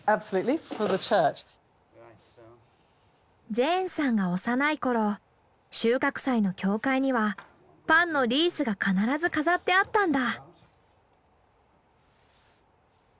ジェーンさんが幼い頃収穫祭の教会にはパンのリースが必ず飾ってあったんだ。